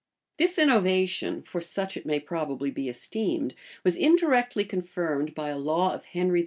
This innovation (for such it may probably be esteemed) was indirectly confirmed by a law of Henry IV.